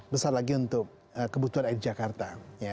besar lagi untuk kebutuhan air jakarta